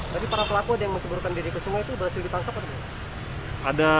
jadi para pelaku yang menceburkan diri ke sungai itu berhasil ditangkap atau tidak